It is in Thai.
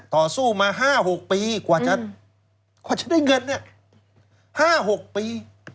ต่อสู้มาห้าหกปีกว่าจะกว่าจะได้เงินเนี้ยห้าหกปี